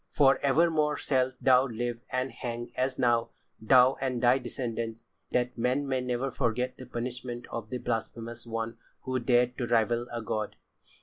For evermore shalt thou live and hang as now, thou and thy descendants, that men may never forget the punishment of the blasphemous one who dared to rival a god."